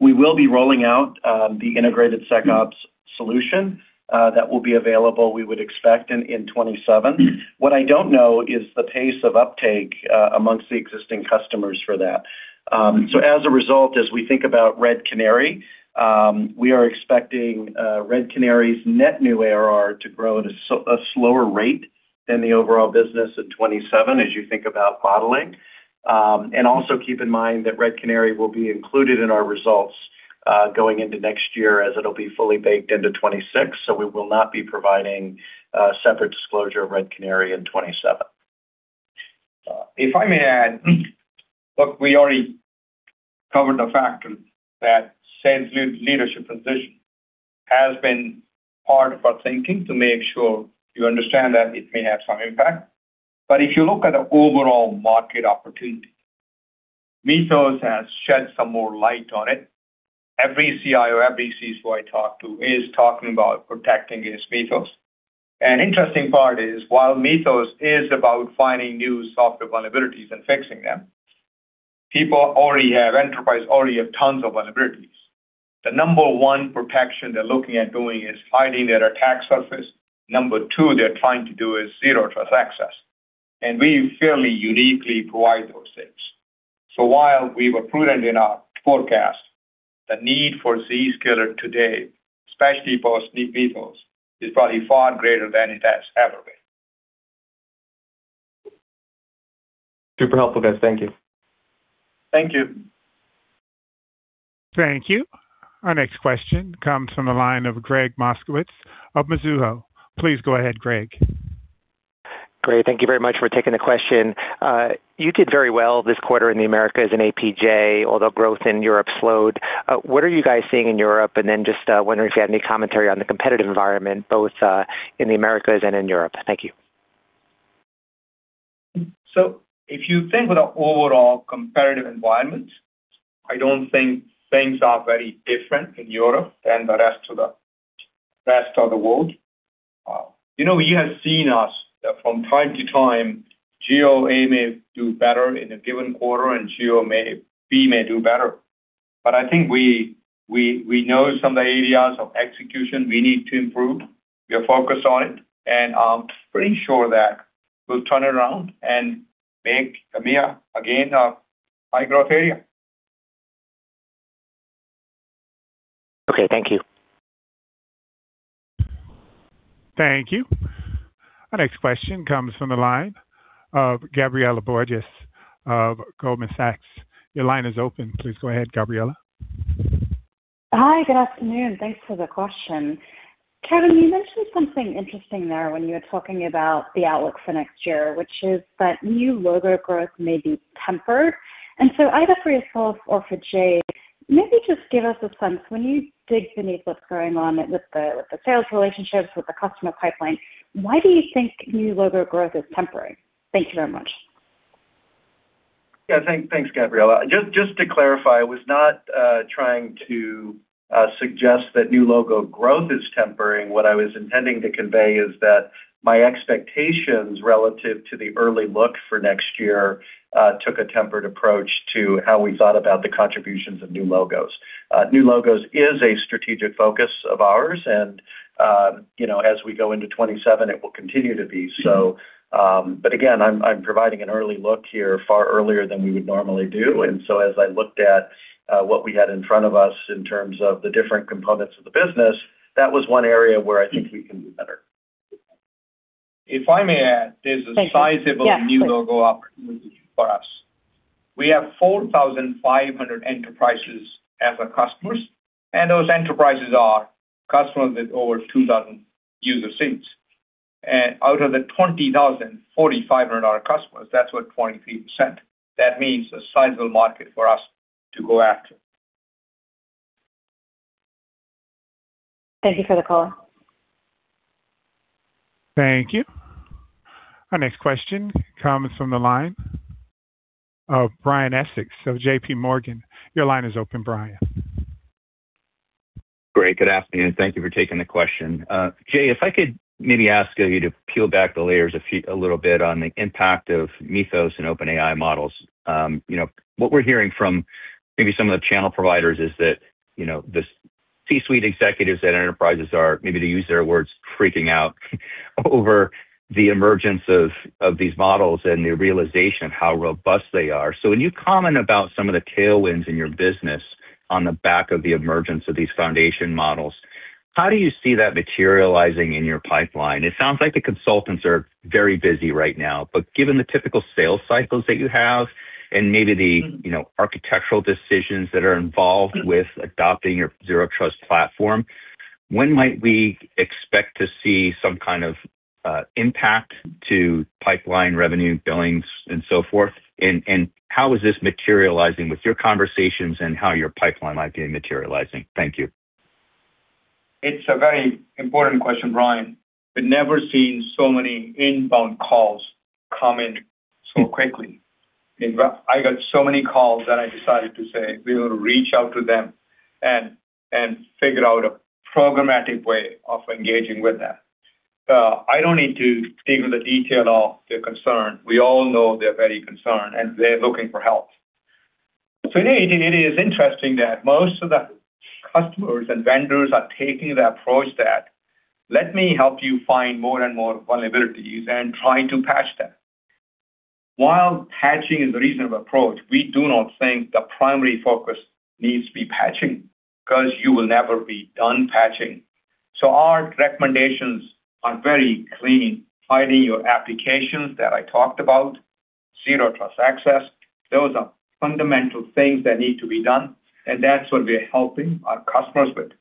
we will be rolling out the integrated SecOps solution that will be available, we would expect, in 2027. What I don't know is the pace of uptake amongst the existing customers for that. As a result, as we think about Red Canary, we are expecting Red Canary's net new ARR to grow at a slower rate than the overall business in 2027 as you think about modeling. Also keep in mind that Red Canary will be included in our results going into next year as it'll be fully baked into 2026, so we will not be providing a separate disclosure of Red Canary in 2027. If I may add, look, we already covered the fact that sales leadership position has been part of our thinking to make sure you understand that it may have some impact. If you look at the overall market opportunity, Mythos has shed some more light on it. Every CIO, every CISO I talk to is talking about protecting his Mythos. An interesting part is, while Mythos is about finding new software vulnerabilities and fixing them, enterprise already have tons of vulnerabilities. The number one protection they're looking at doing is finding their attack surface. Number two, they're trying to do is Zero Trust access. We fairly uniquely provide those things. While we were prudent in our forecast, the need for Zscaler today, especially for Mythos, is probably far greater than it has ever been. Super helpful, guys. Thank you. Thank you. Thank you. Our next question comes from the line of Gregg Moskowitz of Mizuho. Please go ahead, Gregg. Greg, thank you very much for taking the question. You did very well this quarter in the Americas and APJ, although growth in Europe slowed. What are you guys seeing in Europe? Then just wondering if you had any commentary on the competitive environment, both in the Americas and in Europe. Thank you. If you think of the overall competitive environment, I don't think things are very different in Europe than the rest of the world. You have seen us that from time to time, geo A may do better in a given quarter, and geo B may do better. I think we know some of the areas of execution we need to improve. We are focused on it, and I'm pretty sure that we'll turn around and make EMEA again a high-growth area. Okay. Thank you. Thank you. Our next question comes from the line of Gabriela Borges of Goldman Sachs. Your line is open. Please go ahead, Gabriela. Hi. Good afternoon. Thanks for the question. Kevin, you mentioned something interesting there when you were talking about the outlook for next year, which is that new logo growth may be tempered. Either for yourself or for Jay, maybe just give us a sense when you dig beneath what's going on with the sales relationships, with the customer pipeline, why do you think new logo growth is tempering? Thank you very much. Yeah. Thanks, Gabriela. Just to clarify, I was not trying to suggest that new logo growth is tempering. What I was intending to convey is that my expectations relative to the early look for next year took a tempered approach to how we thought about the contributions of new logos. New logos is a strategic focus of ours, and as we go into 2027, it will continue to be so. Again, I'm providing an early look here far earlier than we would normally do. As I looked at what we had in front of us in terms of the different components of the business, that was one area where I think we can do better. If I may add, there's a sizable. Thank you. Yeah, please new logo opportunity for us. We have 4,500 enterprises as our customers, and those enterprises are customers with over 2,000 user seats. Out of the 20,000 4,500 customers, that's what, 23%. That means a sizable market for us to go after. Thank you for the color. Thank you. Our next question comes from the line of Brian Essex of JPMorgan. Your line is open, Brian. Great. Good afternoon. Thank you for taking the question. Jay, if I could maybe ask you to peel back the layers a little bit on the impact of Mythos and OpenAI models. What we're hearing from maybe some of the channel providers is that the C-suite executives at enterprises are, maybe to use their words, freaking out over the emergence of these models and the realization of how robust they are. When you comment about some of the tailwinds in your business on the back of the emergence of these foundation models, how do you see that materializing in your pipeline? It sounds like the consultants are very busy right now, but given the typical sales cycles that you have and maybe the architectural decisions that are involved with adopting your Zero Trust platform, when might we expect to see some kind of impact to pipeline revenue billings and so forth? How is this materializing with your conversations and how your pipeline might be materializing? Thank you. It's a very important question, Brian. We've never seen so many inbound calls come in so quickly. I got so many calls that I decided to say we will reach out to them and figure out a programmatic way of engaging with them. I don't need to dig into the detail of their concern. We all know they're very concerned, and they're looking for help. Indeed, it is interesting that most of the customers and vendors are taking the approach that, let me help you find more and more vulnerabilities and try to patch them. While patching is a reasonable approach, we do not think the primary focus needs to be patching because you will never be done patching. Our recommendations are very clean. Finding your applications that I talked about Zero Trust Access. Those are fundamental things that need to be done, and that's what we're helping our customers with.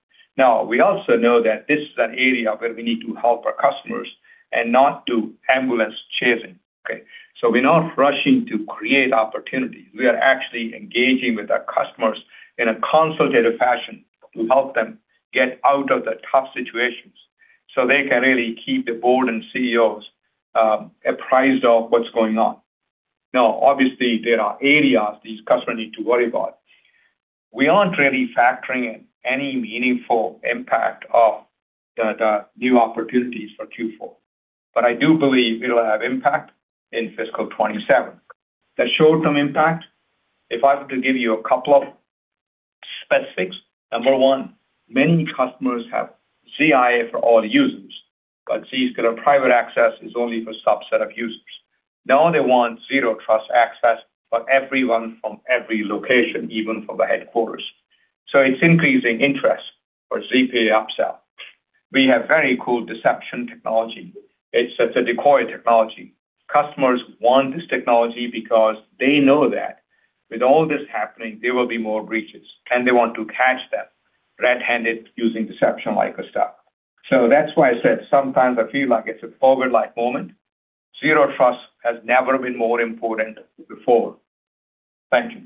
We also know that this is an area where we need to help our customers and not do ambulance chasing. Okay. We're not rushing to create opportunities. We are actually engaging with our customers in a consultative fashion to help them get out of the tough situations so they can really keep the board and CEOs apprised of what's going on. Obviously, there are areas these customers need to worry about. We aren't really factoring in any meaningful impact of the new opportunities for Q4, but I do believe it'll have impact in fiscal 2027. The short-term impact, if I were to give you a couple of specifics, number one, many customers have ZIA for all users, but Zscaler Private Access is only for subset of users. Now they want Zero Trust Access for everyone from every location, even from the headquarters. It's increasing interest for ZPA upsell. We have very cool deception technology. It's a decoy technology. Customers want this technology because they know that with all this happening, there will be more breaches, and they want to catch that red-handed using deception-like stuff. That's why I said sometimes I feel like it's a forward-like moment. Zero Trust has never been more important before. Thank you.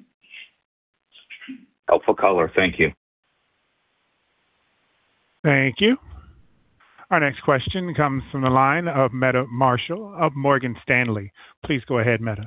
Helpful color. Thank you. Thank you. Our next question comes from the line of Meta Marshall of Morgan Stanley. Please go ahead, Meta.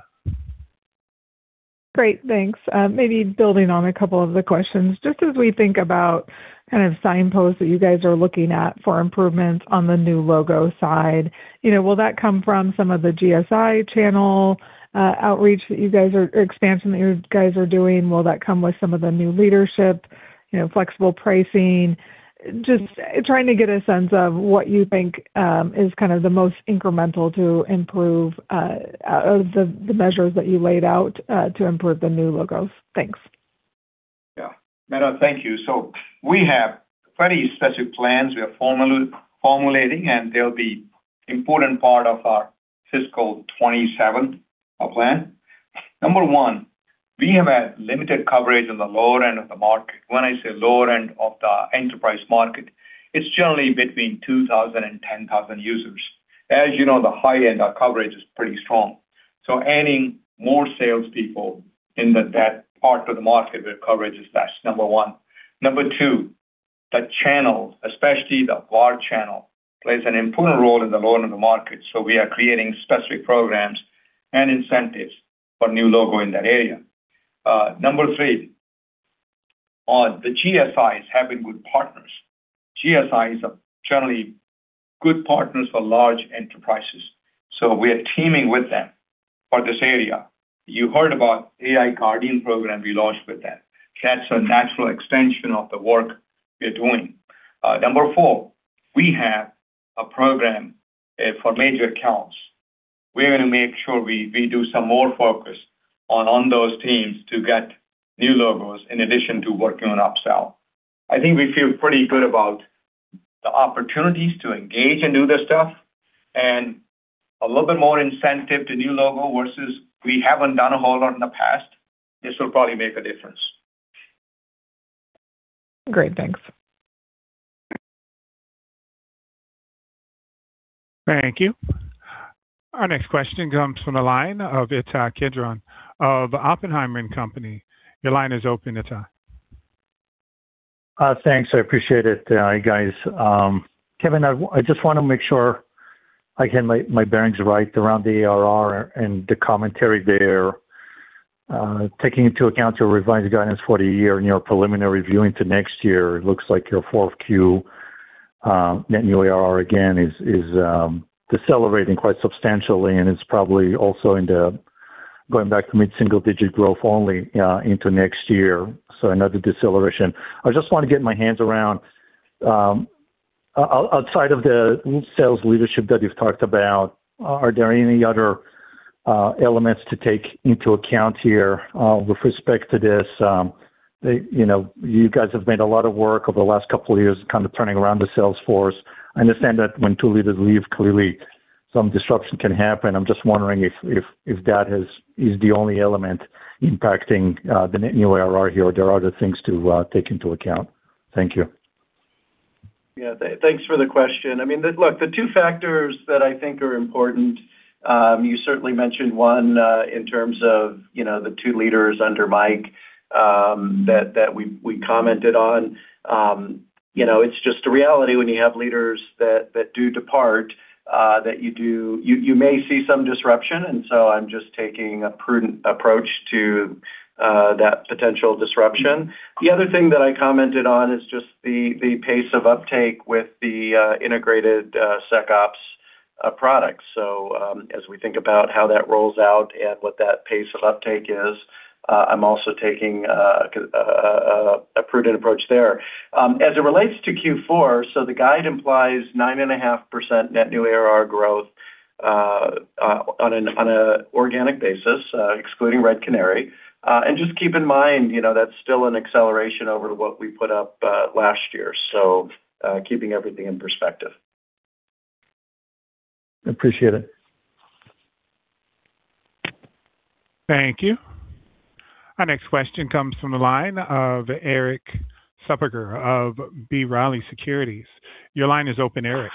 Great, thanks. Maybe building on a couple of the questions. Just as we think about kind of signposts that you guys are looking at for improvements on the new logo side, will that come from some of the GSI channel outreach expansion that you guys are doing? Will that come with some of the new leadership, flexible pricing? Just trying to get a sense of what you think is kind of the most incremental to improve, of the measures that you laid out, to improve the new logos. Thanks. Yeah. Meta, thank you. We have pretty specific plans we are formulating, and they'll be important part of our fiscal 2027 plan. Number one, we have had limited coverage in the lower end of the market. When I say lower end of the enterprise market, it's generally between 2,000 and 10,000 users. As you know, the high end, our coverage is pretty strong. Adding more salespeople in that part of the market where coverage is less, number one. Number two, the channel, especially the VAR channel, plays an important role in the lower end of the market. We are creating specific programs and incentives for new logo in that area. Number three, on the GSIs having good partners. GSI is a generally good partners for large enterprises, we are teaming with them for this area. You heard about AI Guardian program we launched with them. That's a natural extension of the work we are doing. Number four, we have a program for major accounts. We're going to make sure we do some more focus on those teams to get new logos in addition to working on upsell. A little bit more incentive to new logo versus we haven't done a whole lot in the past. This will probably make a difference. Great, thanks. Thank you. Our next question comes from the line of Ittai Kidron of Oppenheimer & Company. Your line is open, Ittai. Thanks. I appreciate it. Hi, guys. Kevin, I just want to make sure I get my bearings right around the ARR and the commentary there. Taking into account your revised guidance for the year and your preliminary view into next year, it looks like your fourth Q net new ARR again is decelerating quite substantially, and it's probably also into going back to mid-single digit growth only into next year. Another deceleration. I just want to get my hands around, outside of the new sales leadership that you've talked about, are there any other elements to take into account here with respect to this? You guys have made a lot of work over the last couple of years, kind of turning around the sales force. I understand that when two leaders leave, clearly some disruption can happen. I'm just wondering if that is the only element impacting the net new ARR here, or there are other things to take into account. Thank you. Yeah. Thanks for the question. I mean, look, the two factors that I think are important, you certainly mentioned one, in terms of the two leaders under Mike that we commented on. It's just a reality when you have leaders that do depart, that you may see some disruption, and so I'm just taking a prudent approach to that potential disruption. The other thing that I commented on is just the pace of uptake with the integrated SecOps products. As we think about how that rolls out and what that pace of uptake is, I'm also taking a prudent approach there. As it relates to Q4, so the guide implies 9.5% net new ARR growth on an organic basis, excluding Red Canary. Just keep in mind, that's still an acceleration over what we put up last year, so keeping everything in perspective. Appreciate it. Thank you. Our next question comes from the line of Erik Suppiger of B. Riley Securities. Your line is open, Erik.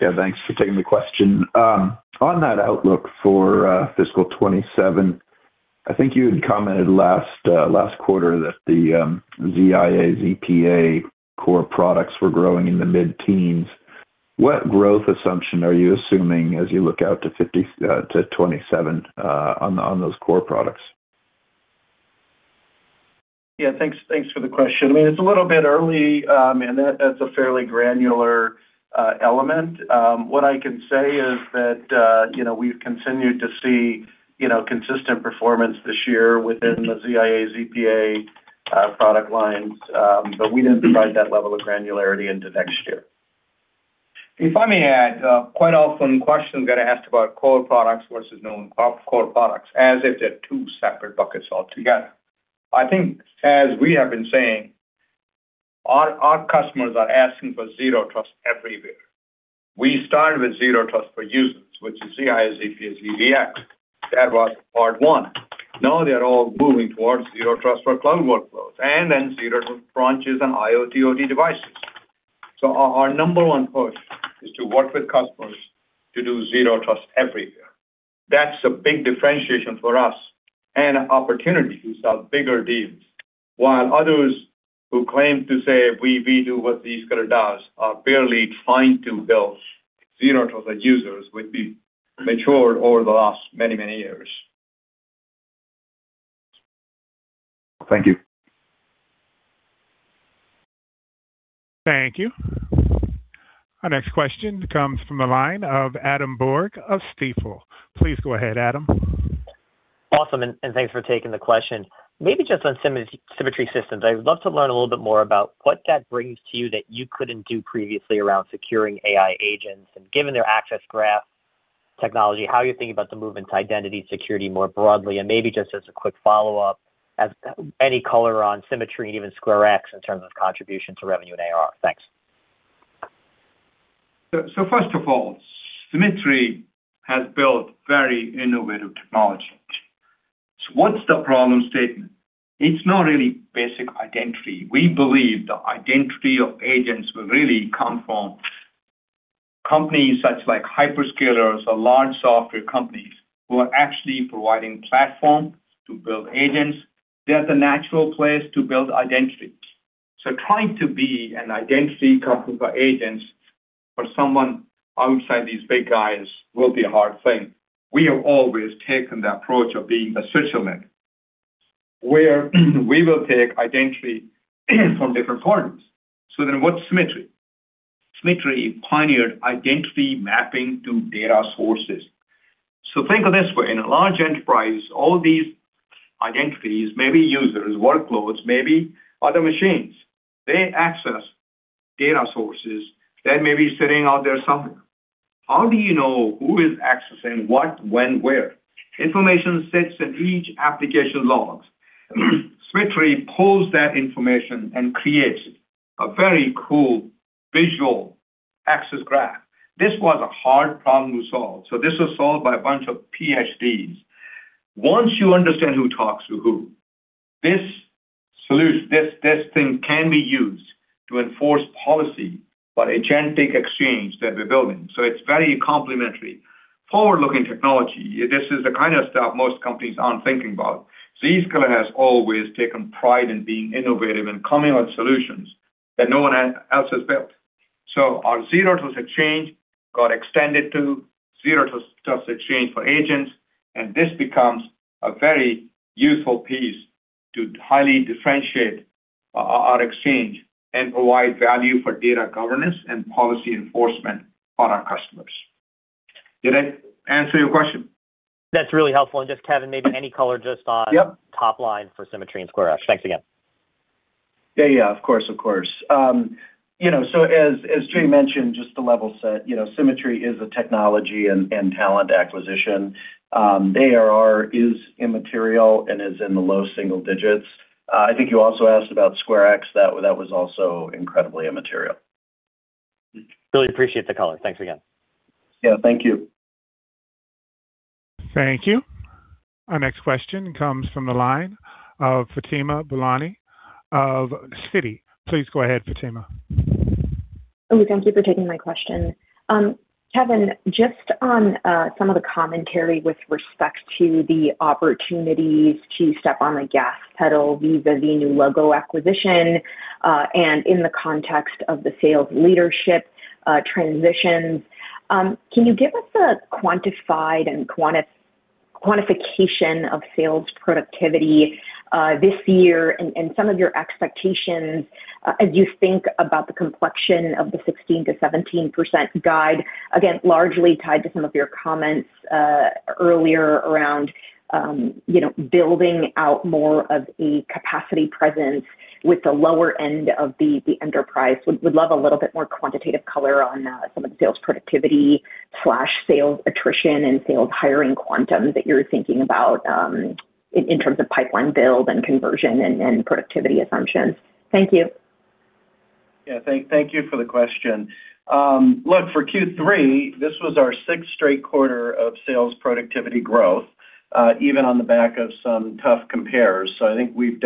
Yeah. Thanks for taking the question. On that outlook for fiscal 2027, I think you had commented last quarter that the ZIA/ZPA core products were growing in the mid-teens. What growth assumption are you assuming as you look out to 2027 on those core products? Yeah. Thanks for the question. It's a little bit early, and that's a fairly granular element. What I can say is that we've continued to see consistent performance this year within the ZIA/ZPA product lines. We didn't provide that level of granularity into next year. If I may add, quite often questions get asked about core products versus non-core products as if they're two separate buckets altogether. I think as we have been saying, our customers are asking for Zero Trust Everywhere. We started with Zero Trust for users, which is ZIA, ZPA, ZDX. That was part one. Now they're all moving towards Zero Trust for cloud workloads, and then Zero Trust Branch and IoT/OT devices. Our number one push is to work with customers to do Zero Trust Everywhere. That's a big differentiation for us and an opportunity to sell bigger deals, while others who claim to say, "We do what Zscaler does," are barely trying to build Zero Trust that users which we matured over the last many, many years. Thank you. Thank you. Our next question comes from the line of Adam Borg of Stifel. Please go ahead, Adam. Awesome, thanks for taking the question. Maybe just on Symmetry Systems, I would love to learn a little bit more about what that brings to you that you couldn't do previously around securing AI agents and, given their access graph technology, how you're thinking about the move into identity security more broadly. Maybe just as a quick follow-up, any color on Symmetry and even SquareX in terms of contribution to revenue and ARR. Thanks. First of all, Symmetry has built very innovative technology. What's the problem statement? It's not really basic identity. We believe the identity of agents will really come from companies such like hyperscalers or large software companies who are actually providing platform to build agents. They're the natural place to build identity. Trying to be an identity company for agents for someone outside these big guys will be a hard thing. We have always taken the approach of being a Switzerland, where we will take identity from different partners. What's Symmetry? Symmetry pioneered identity mapping to data sources. Think of this way. In a large enterprise, all these identities, maybe users, workloads, maybe other machines, they access data sources that may be sitting out there somewhere. How do you know who is accessing what, when, where? Information sits in each application logs. Symmetry pulls that information and creates a very cool visual access graph. This was a hard problem to solve. This was solved by a bunch of PhDs. Once you understand who talks to who, this thing can be used to enforce policy by agentic exchange that we're building. It's very complementary forward-looking technology. This is the kind of stuff most companies aren't thinking about. Zscaler has always taken pride in being innovative and coming with solutions that no one else has built. Our Zero Trust Exchange got extended to Zero Trust Exchange for agents, and this becomes a very useful piece to highly differentiate our exchange and provide value for data governance and policy enforcement for our customers. Did I answer your question? That's really helpful. Just, Kevin, maybe any color just on? Yep top line for Symmetry and SquareX. Thanks again. Yeah. Of course. As Jay mentioned, just to level set, Symmetry is a technology and talent acquisition. The ARR is immaterial and is in the low single digits. I think you also asked about SquareX. That was also incredibly immaterial. Really appreciate the color. Thanks again. Yeah. Thank you. Thank you. Our next question comes from the line of Fatima Boolani of Citi. Please go ahead, Fatima. Thank you for taking my question. Kevin, just on some of the commentary with respect to the opportunities to step on the gas pedal vis-à-vis new logo acquisition. In the context of the sales leadership transitions, can you give us a quantification of sales productivity this year and some of your expectations as you think about the complexion of the 16%-17% guide, again, largely tied to some of your comments earlier around building out more of a capacity presence with the lower end of the enterprise. Would love a little bit more quantitative color on some of the sales productivity/sales attrition and sales hiring quantum that you're thinking about in terms of pipeline build and conversion and productivity assumptions. Thank you. Thank you for the question. For Q3, this was our sixth straight quarter of sales productivity growth, even on the back of some tough compares. I think we're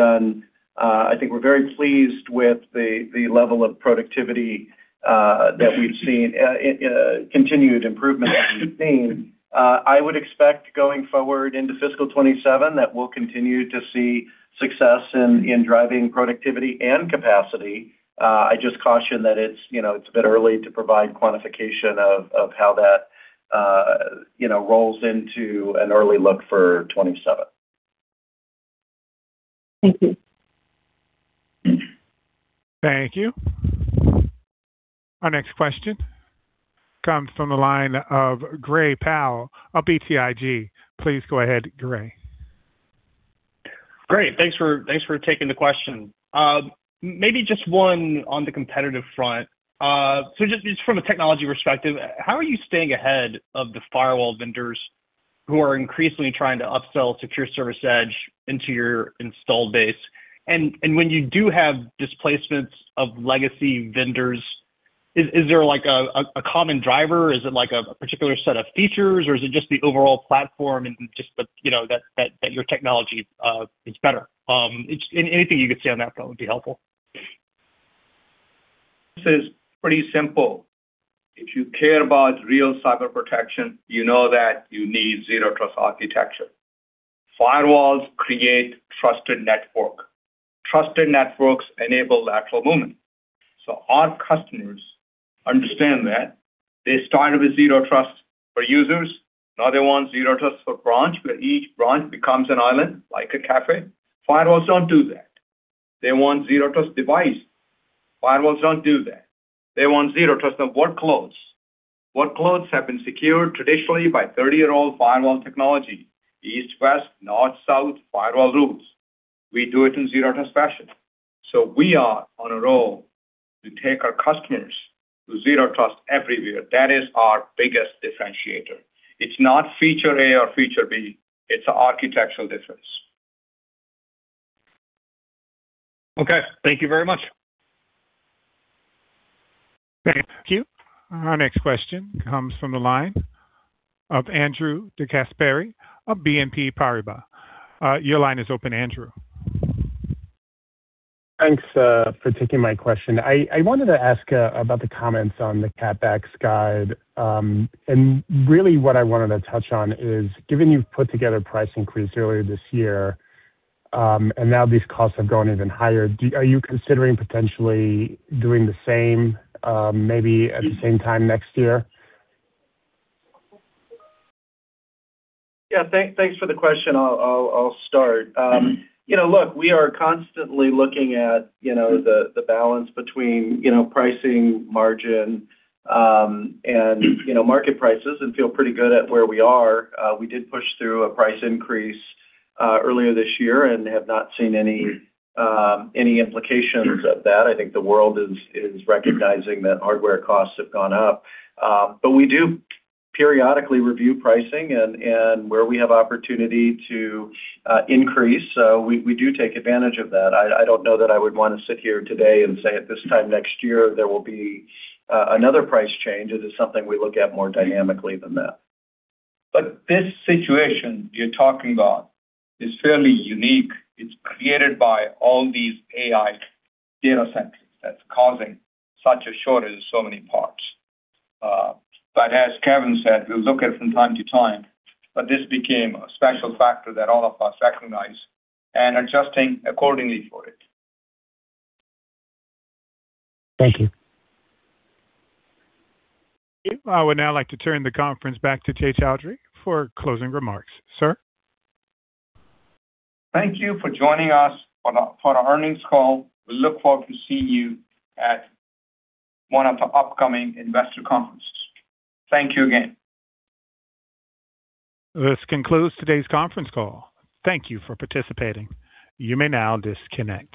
very pleased with the level of productivity that we've seen, continued improvement that we've seen. I would expect going forward into fiscal 2027 that we'll continue to see success in driving productivity and capacity. I just caution that it's a bit early to provide quantification of how that rolls into an early look for 2027. Thank you. Thank you. Our next question comes from the line of Gray Powell of BTIG. Please go ahead, Gray. Great. Thanks for taking the question. Maybe just one on the competitive front. Just from a technology perspective, how are you staying ahead of the firewall vendors who are increasingly trying to upsell secure service edge into your install base? When you do have displacements of legacy vendors, is there a common driver? Is it a particular set of features, or is it just the overall platform and just that your technology is better? Anything you could say on that front would be helpful. This is pretty simple. If you care about real cyber protection, you know that you need Zero Trust architecture. Firewalls create trusted network. Trusted networks enable lateral movement. Our customers understand that. They started with Zero Trust for users. Now they want Zero Trust Branch, where each branch becomes an island like a cafe. Firewalls don't do that. They want Zero Trust device. Firewalls don't do that. They want Zero Trust of workloads. Workloads have been secured traditionally by 30-year-old firewall technology, east, west, north, south firewall rules. We do it in Zero Trust fashion. We are on a roll to take our customers to Zero Trust Everywhere. That is our biggest differentiator. It's not feature A or feature B, it's an architectural difference. Okay. Thank you very much. Thank you. Our next question comes from the line of Andrew DeGasperi of BNP Paribas. Your line is open, Andrew. Thanks for taking my question. I wanted to ask about the comments on the CapEx guide. Really what I wanted to touch on is, given you've put together a price increase earlier this year, and now these costs have gone even higher, are you considering potentially doing the same, maybe at the same time next year? Yeah. Thanks for the question. I'll start. Look, we are constantly looking at the balance between pricing, margin, and market prices, and feel pretty good at where we are. We did push through a price increase earlier this year and have not seen any implications of that. I think the world is recognizing that hardware costs have gone up. We do periodically review pricing and where we have opportunity to increase. We do take advantage of that. I don't know that I would want to sit here today and say at this time next year there will be another price change. It is something we look at more dynamically than that. This situation you're talking about is fairly unique. It's created by all these AI data centers that's causing such a shortage of so many parts. As Kevin said, we'll look at it from time to time. This became a special factor that all of us recognize and adjusting accordingly for it. Thank you. I would now like to turn the conference back to Jay Chaudhry for closing remarks. Sir? Thank you for joining us for our earnings call. We look forward to seeing you at one of the upcoming investor conferences. Thank you again. This concludes today's conference call. Thank you for participating. You may now disconnect.